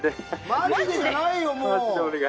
マジでじゃないよ、もう。